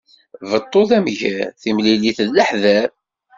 Beṭṭu d amger, timlilit d leḥder.